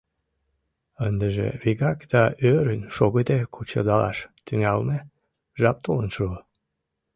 Ындыже вигак да ӧрын шогыде кучедалаш тӱҥалме жап толын шуо.